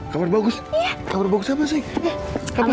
kamu siap nggak dengarnya